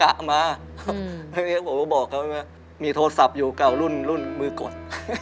แล้วเนี่ยผมบอกเขามีโทรศัพท์อยู่เก่ารุ่นรุ่นมือกฎ